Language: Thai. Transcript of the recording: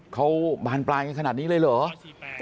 เขาบานปลายกันขนาดนี้เลยเหรอ